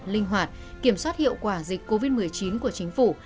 linh hoạt kiểm soát hiệu quả dịch covid một mươi chín của chính phủ